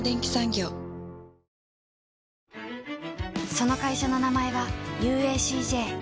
その会社の名前は ＵＡＣＪ